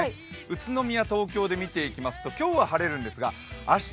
宇都宮、東京で見てみますと、今日は晴れるんですが明日